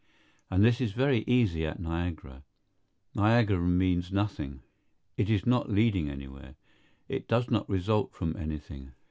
And this is very easy at Niagara. Niagara means nothing. It is not leading anywhere. It does not result from anything.